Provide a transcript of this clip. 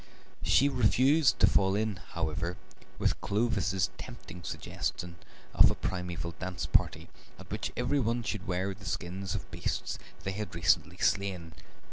She refused to fall in, however, with Clovis's tempting suggestion of a primeval dance party, at which every one should wear the skins of beasts they had recently slain.